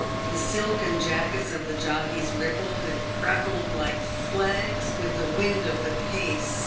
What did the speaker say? The silken jackets of the jockeys rippled, and crackled like flags, with the wind of the pace.